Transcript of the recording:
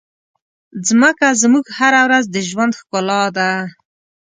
مځکه زموږ هره ورځ د ژوند ښکلا ده.